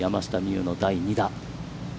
有の第２打。